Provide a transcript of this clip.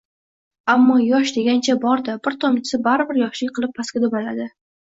Ammo, yosh degancha bor-da, bir tomchisi baribir yoshlik qilib pastga dumaladi